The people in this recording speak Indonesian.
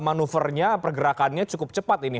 manuvernya pergerakannya cukup cepat ini